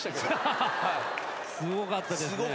すごかったですね。